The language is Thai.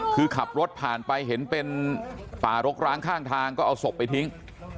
คือขับรถผ่านไปเห็นเป็นป่ารกร้างข้างทางก็เอาศพไปทิ้ง